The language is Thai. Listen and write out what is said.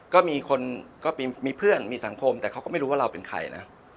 ก็มีคนก็มีเพื่อนมีสังคมแต่เขาก็ไม่รู้ว่าเราเป็นใครนะ